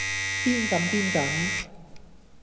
邊敢邊敢